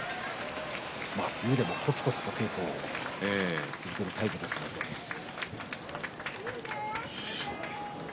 いつもこつこつと稽古を続けるタイプの竜電です。